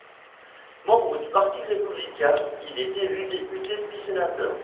Membre du Parti républicain, il est élu député puis sénateur.